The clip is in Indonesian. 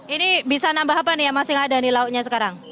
ini bisa nambah apa nih ya masih ada nih lauknya sekarang